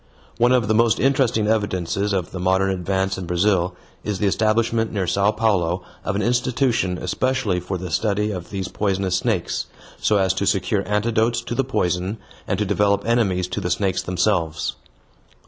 One of the most interesting evidences of the modern advance in Brazil is the establishment near Sao Paulo of an institution especially for the study of these poisonous snakes, so as to secure antidotes to the poison and to develop enemies to the snakes themselves.